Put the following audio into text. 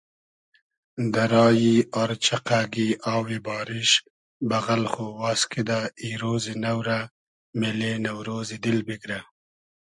دۂ رایی آر چئقئگی آوی باریش بئغئل خو واز کیدۂ ای رۉزی نۆ رۂ مېلې نۆرۉزی دیل بیگرۂ